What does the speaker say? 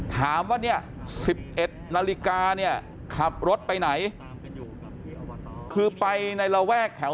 ถามว่าเนี่ย๑๑นาฬิกาเนี่ยขับรถไปไหนคือไปในระแวกแถว